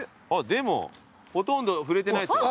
でもほとんど触れてないですよ。